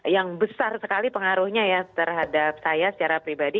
yang besar sekali pengaruhnya ya terhadap saya secara pribadi